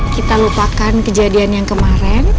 kita lupakan kejadian yang kemarin